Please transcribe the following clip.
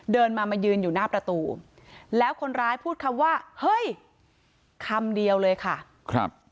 เดินมามายืนอยู่หน้าประตูแล้วคนร้ายพูดคำว่าเฮ้ยคำเดียวเลยค่ะครับ